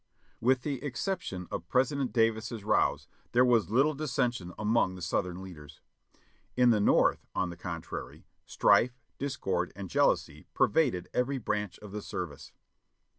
With the exception of President Davis's rows, there was little dissension among the Southern leaders. In the North, on the contrary, strife, discord and jealousy pervaded every branch of the service.